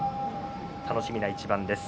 楽しみな一番です。